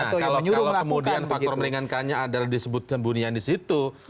kalau kemudian faktor meringankannya adalah disebutkan bu niani disitu